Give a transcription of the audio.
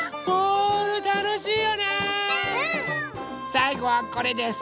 さいごはこれです。